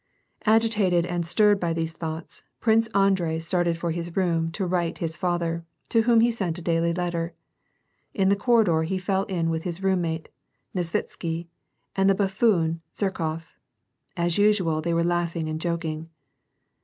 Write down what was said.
Agitated and stirred by these thoughts, Prince Andrei started for his room to write his father, to whom he sent a daily letter. In the corridor he fell in with his roommate, Nesvitsky, and the buffoon Zherkof; as usual, they were laughing and joking.